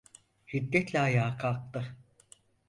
Hiddetle ayağa kalktı: